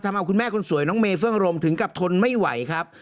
ทำเอาคุณแม่คนสวยน้องเมเฟื่องรมถึงกับทนไม่ไหวครับ